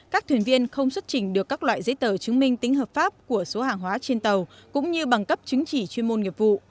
các thuyền viên không xuất trình được các loại giấy tờ chứng minh tính hợp pháp của số hàng hóa trên tàu cũng như bằng cấp chứng chỉ chuyên môn nghiệp vụ